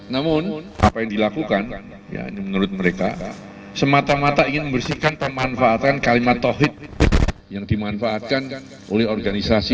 namun apa yang dilakukan menurut mereka semata mata ingin membersihkan pemanfaatan kalimat tawhid yang dimanfaatkan oleh organisasi